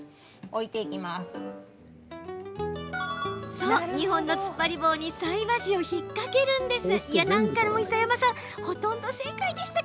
そう、２本のつっぱり棒に菜箸を引っ掛けるんです。